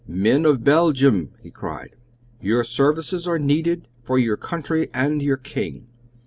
"Men of Belgium," he cried, "your services are needed for your country and your King!